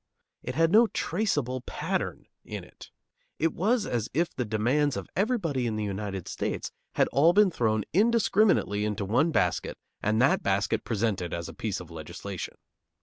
It had no traceable pattern in it. It was as if the demands of everybody in the United States had all been thrown indiscriminately into one basket and that basket presented as a piece of legislation.